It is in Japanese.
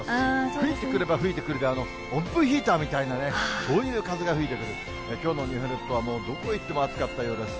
吹いてくれば吹いてくるで、温風ヒーターみたいなね、そういう風が吹いてくる、きょうの日本列島はもうどこへ行っても暑かったようです。